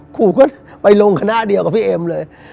ครูก็ไปลงคณะเดียวกับพี่เอ็มเลย